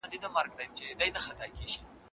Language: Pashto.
پاڼه د لمر وړانګو ته نڅا کوي.